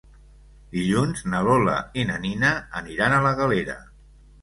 Dilluns na Lola i na Nina aniran a la Galera.